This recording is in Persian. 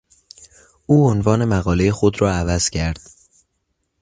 او عنوان مقالهی خود را عوض کرد.